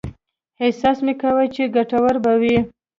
احساس مې کاوه چې ګټوره به وي.